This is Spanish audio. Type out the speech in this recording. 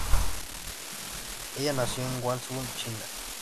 Ella nació en Guangzhou, China.